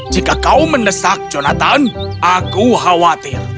jika kau mendesak jonathan aku khawatir